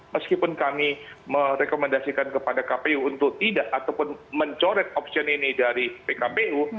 meskipun kami merekomendasikan kepada kpu untuk tidak ataupun mencoret opsi ini dari pkpu